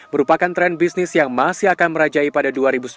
merupakan tren bisnis yang masih akan merajai pada dua ribu sembilan belas